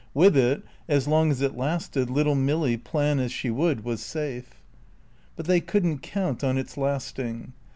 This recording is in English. With it, as long as it lasted, little Milly, plan as she would, was safe. But they couldn't count on its lasting.